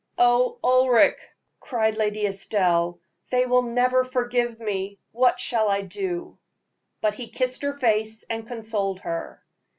"Oh, Ulric!" cried Lady Estelle, "they will never forgive me. What shall I do?" But he kissed her face and consoled her.